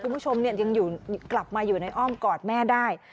กูผู้ชมเนี่ยจริงกลับมาอยู่ในอ้อมกอดแม่ได้